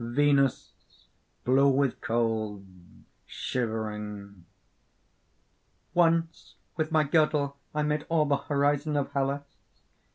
_) VENUS (blue with cold, shivering): "Once with my girdle I made all the horizon of Hellas.